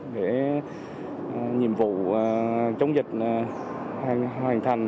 để nhiệm vụ chống dịch hoàn thành